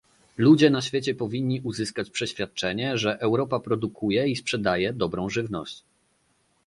Ludzie na świecie powinni uzyskać przeświadczenie, że Europa produkuje i sprzedaje dobrą żywność